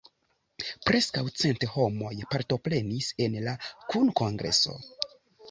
Preskaŭ cent homoj partoprenis en la kunkongreso.